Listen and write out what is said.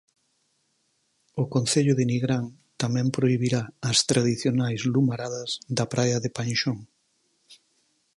O concello de Nigrán tamén prohibirá as tradicionais lumaradas da praia de Panxón.